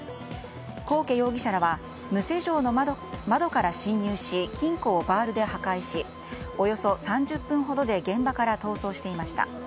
幸家容疑者らは無施錠の窓から侵入し金庫をバールで破壊しおよそ３０分ほどで現場から逃走していました。